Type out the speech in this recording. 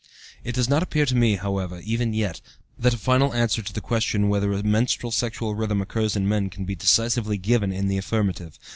It does not appear to me, however, even yet, that a final answer to the question whether a menstrual sexual rhythm occurs in men can be decisively given in the affirmative.